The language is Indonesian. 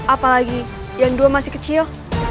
apalagi yang dua masih kecil